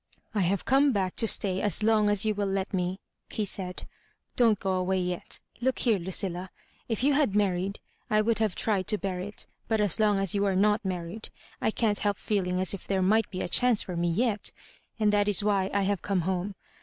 " I have come back to stey as long as you will let me," he said ;" don't go away yet. Look here, LudUa; if you had married, I would have tried to bear It; but as long as you are not married, I can't help feeling as if tiliere might be a chance for me yet. And that is why I have come home.